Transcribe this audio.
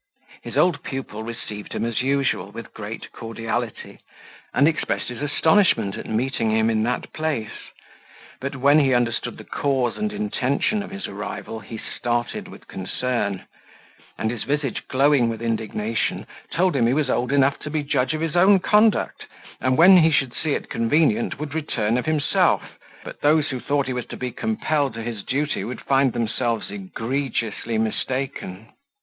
His old pupil received him as usual, with great cordiality, and expressed his astonishment at meeting him in that place; but when he understood the cause and intention of his arrival, he started with concern; and, his visage glowing with indignation, told him he was old enough to be judge of his own conduct, and, when he should see it convenient, would return of himself; but those who thought he was to be compelled to his duty, would find themselves egregiously mistaken.